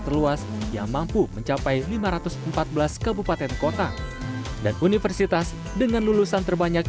terluas yang mampu mencapai lima ratus empat belas kabupaten kota dan universitas dengan lulusan terbanyak